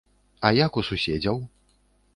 А як у суседзяў?